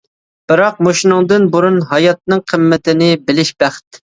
بىراق، مۇشۇنىڭدىن بۇرۇن ھاياتنىڭ قىممىتىنى بىلىش بەخت.